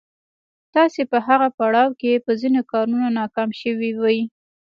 تاسې په هغه پړاو کې په ځينو کارونو ناکام شوي وئ.